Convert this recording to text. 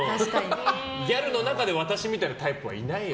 ギャルの中で私みたいなタイプはいないよ